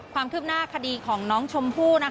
ความคืบหน้าคดีของน้องชมพู่